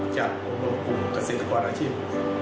จากกลุ่มเกษตรกรอาชีพ